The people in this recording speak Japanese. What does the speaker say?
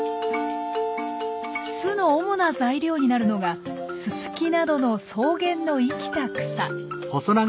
巣の主な材料になるのがススキなどの草原の生きた草。